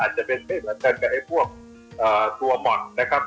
อาจจะเป็นเพียงเกินกับพวกตัวหมดนะครับ